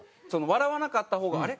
笑わなかった方があれ？